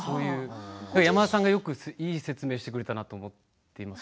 だから、山田さんがいい説明をしてくれたなと思います。